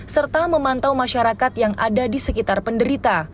serta memantau masyarakat yang ada di sekitar penderita